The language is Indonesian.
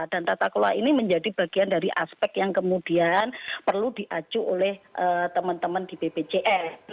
dan tata kelola ini menjadi bagian dari aspek yang kemudian perlu diaju oleh teman teman di bpjs